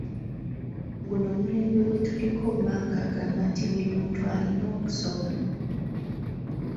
Guno omulembe gwe tuliko mmange agamba nti buli muntu alina okusoma.